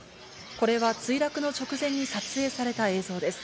これは墜落の直前に撮影された映像です。